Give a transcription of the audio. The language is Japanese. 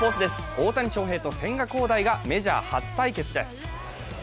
大谷翔平と千賀滉大がメジャー初対決です。